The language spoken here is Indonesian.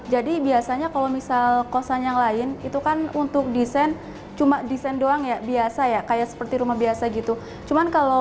jadi biasanya kalau misalnya kosan yang lain itu kan untuk desain cuma desain doang ya biasa ya kayak seperti rumah biasa gitu